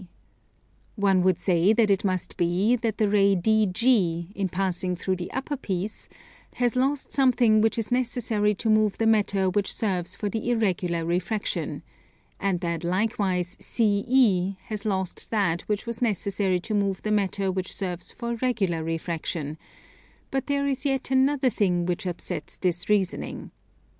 One would say that it must be that the ray DG in passing through the upper piece has lost something which is necessary to move the matter which serves for the irregular refraction; and that likewise CE has lost that which was necessary to move the matter which serves for regular refraction: but there is yet another thing which upsets this reasoning.